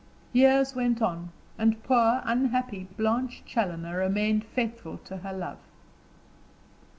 Years went on, and poor, unhappy Blanche Challoner remained faithful to her love.